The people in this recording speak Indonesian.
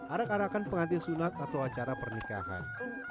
arak arakan pengantin sunat atau acara pernikahan